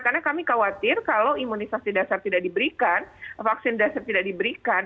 karena kami khawatir kalau imunisasi dasar tidak diberikan vaksin dasar tidak diberikan